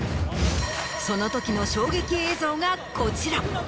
その時の衝撃映像がこちら。